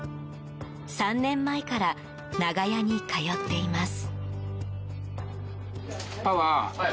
３年前からながやに通っています。